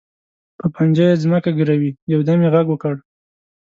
په پنجه یې ځمکه ګروي، یو دم یې غږ وکړ.